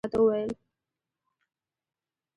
کله چې کوژده شوم، نامزد راته وويل: